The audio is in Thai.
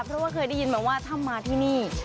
เพราะว่าเคยได้ยินมาว่าถ้ามาที่นี่